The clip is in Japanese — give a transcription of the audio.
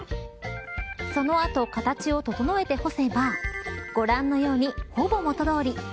その後、形を整えて干せばご覧のように、ほぼ元通り。